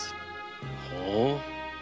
ほう。